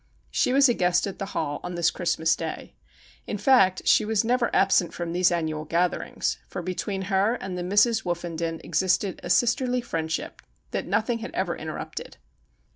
She was a guest at the Hall on this Christmas day. In fact she was never absent from these annual gatherings, for between her and the Misses Woofenden existed a sisterly friendship that nothing had ever interrupted.